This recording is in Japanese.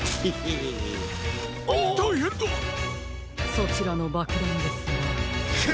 そちらのばくだんですが。